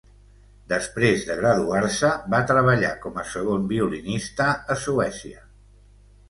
Després de graduar-se, va treballar com a segon violinista a Suècia.